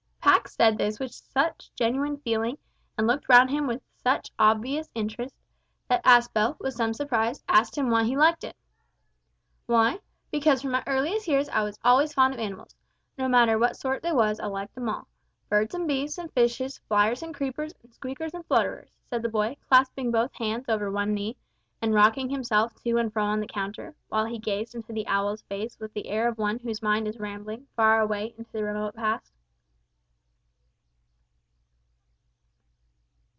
Little Pax said this with such genuine feeling, and looked round him with such obvious interest, that Aspel, with some surprise, asked him why he liked it. "Why? because from my earliest years I always was fond of animals. No matter what sort they wos, I liked 'em all birds an' beasts an' fishes, flyers and creepers, an' squeakers and flutterers," said the boy, clasping both hands over one knee, and rocking himself to and fro on the counter, while he gazed into the owl's face with the air of one whose mind is rambling far away into the remote past.